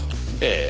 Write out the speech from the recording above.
ええ。